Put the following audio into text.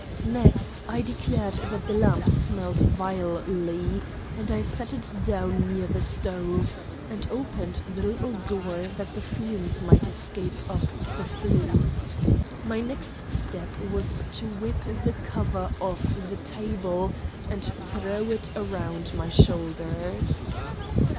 Next I declared that the lamp smelt vilely, and I set it down near the stove, and opened the little door that the fumes might escape up the flue. My next step was to whip the cover off the table, and throw it around my shoulders.